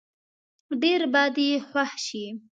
ډېر به دې خوښ شي.